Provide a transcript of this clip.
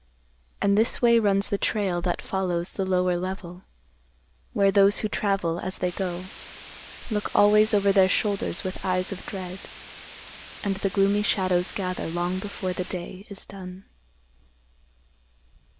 And this way runs the trail that follows the lower level, where those who travel, as they go, look always over their shoulders with eyes of dread, and the gloomy shadows gather long before the day is done.